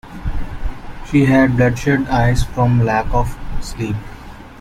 She had bloodshot eyes from lack of sleep.